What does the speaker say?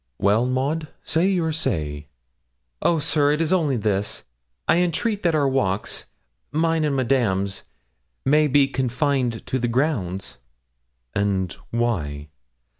'Well, Maud, say your say.' 'Oh, sir, it is only this: I entreat that our walks, mine and Madame's may be confined to the grounds.' 'And why?'